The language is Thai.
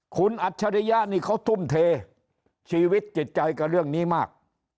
คุณอัจฉริยะนี่เขาทุ่มเทชีวิตจิตใจกับเรื่องนี้มาก